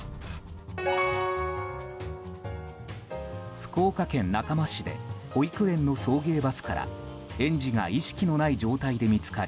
福岡県中間市で保育園の送迎バスから園児が意識のない状態で見つかり